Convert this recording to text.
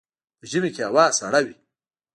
په ژمي کې هوا سړه وي